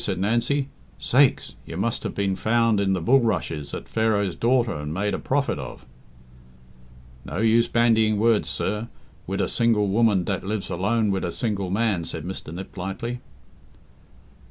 said Nancy. "Sakes! you must have been found in the bulrushes at Pharaoh's daughter and made a prophet of." "No use bandying words, sir, wid a single woman dat lives alone wid a single man," said Mr. Niplightly.